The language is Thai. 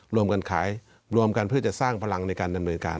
รวมกันขายรวมกันเพื่อจะสร้างพลังในการดำเนินการ